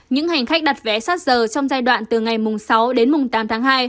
những hành khách đặt vé sát giờ trong giai đoạn từ ngày sáu đến mùng tám tháng hai